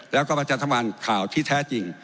แล้วก็ประจันทวันข่าวที่แท้จริง